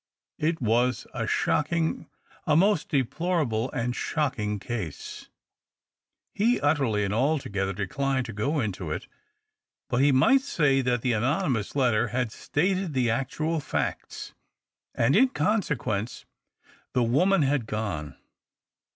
It was a shocking; — a most de plorable and shocking case. He " utterly and altogether declined " to go into it. But he might say that the anonymous letter had stated the actual facts, and in consequence the woman had gone.